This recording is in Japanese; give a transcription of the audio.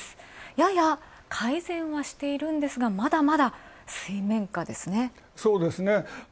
やや改善はしているんですが、まだまだ水面下ですね。